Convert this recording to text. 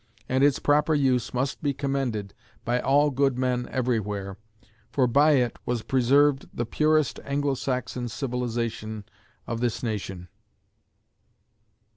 and its proper use must be commended by all good men everywhere, for by it was preserved the purest Anglo Saxon civilization of this nation.